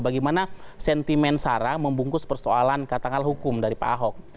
bagaimana sentimen sara membungkus persoalan katakanlah hukum dari pak ahok